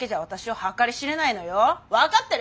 分かってる？